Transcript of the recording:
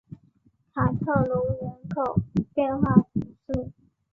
卡特农人口变化图示